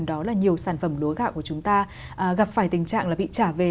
đó là nhiều sản phẩm lúa gạo của chúng ta gặp phải tình trạng là bị trả về